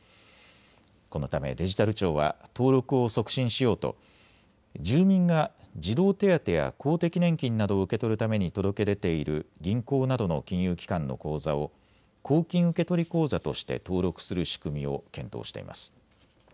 このためデジタル庁は登録を促進しようと住民が児童手当や公的年金などを受け取るために届け出ている銀行などの金融機関の口座を公金受取口座として登録する仕組みを検討しています。